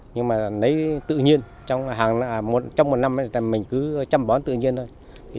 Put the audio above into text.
nhưng mà lấy tự nhiên trong một năm mình cứ chăm bón tự nhiên thôi